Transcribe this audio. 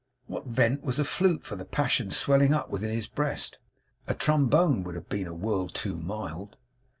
What vent was a flute for the passions swelling up within his breast? A trombone would have been a world too mild.